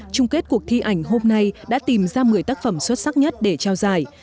trung kết cuộc thi ảnh hôm nay đã tìm ra một mươi tác phẩm xuất sắc nhất để trao giải